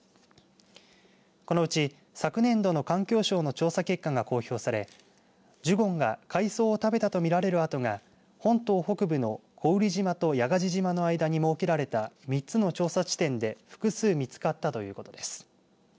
このうち昨年度の環境省の調査結果が公表されジュゴンが海草を食べたと見られる跡が本島北部の古宇利島と屋我地島の間に設けられた３つの調査地点で複数見つかったということです。